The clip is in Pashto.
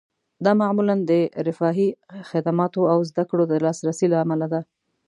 دا معمولاً د رفاهي خدماتو او زده کړو د لاسرسي له امله ده